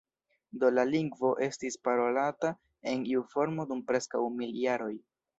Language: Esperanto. Do la lingvo estis parolata en iu formo dum preskaŭ mil jaroj.